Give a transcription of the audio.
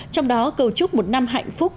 trong đó cầu chúc một năm hạnh phúc